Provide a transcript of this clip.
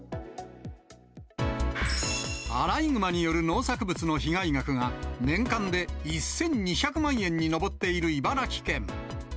アライグマによる農作物の被害額が、年間で１２００万円に上っている茨城県。